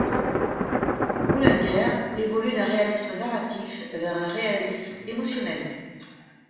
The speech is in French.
Boulenger évolue d'un réalisme narratif vers un réalisme émotionnel.